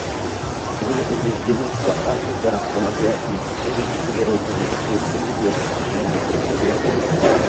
Они убеждены, что Африка располагает людскими и природными ресурсами для достижения успеха.